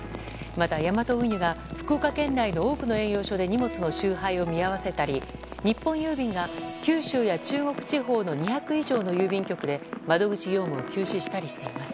また、ヤマト運輸が福岡県内の多くの営業所で荷物の集配を見合わせたり日本郵便が九州や中国地方の２００以上の郵便局で窓口業務を休止したりしています。